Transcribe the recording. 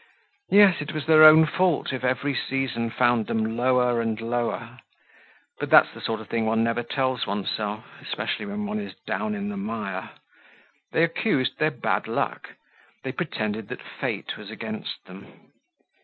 Yes, it was their own fault if every season found them lower and lower. But that's the sort of thing one never tells oneself, especially when one is down in the mire. They accused their bad luck; they pretended that fate was against them.